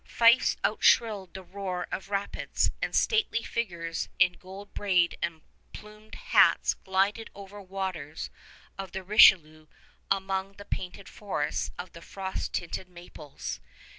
Fifes outshrilled the roar of rapids, and stately figures in gold braid and plumed hats glided over the waters of the Richelieu among the painted forests of the frost tinted maples.